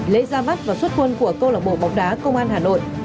lễ ra mắt và xuất quân của câu lạc bộ bóng đá công an hà nội